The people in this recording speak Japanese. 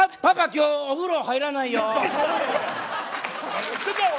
今日お風呂入らないよ。